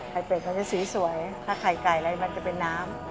เป็ดเขาจะสีสวยถ้าไข่ไก่อะไรมันจะเป็นน้ำ